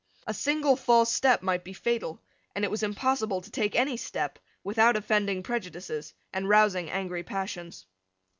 A single false step might be fatal; and it was impossible to take any step without offending prejudices and rousing angry passions.